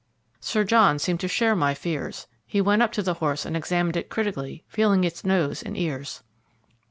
Sir John seemed to share my fears. He went up to the horse and examined it critically, feeling its nose and ears.